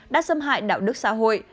đã xâm hại đạo đức xã hội